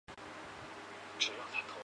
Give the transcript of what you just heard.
月球地质与地球地质学差别明显。